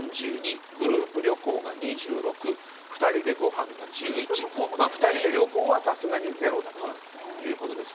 グループ旅行が２６２人でごはんが１１２人で旅行はさすがにゼロだということです。